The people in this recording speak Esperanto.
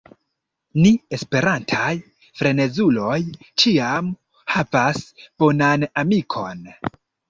Ni esperantaj frenezuloj ĉiam havas bonan amikon.